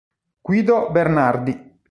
Guido Bernardi